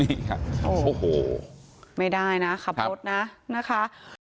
โอ้โหไม่ได้นะขับรถนะนะคะ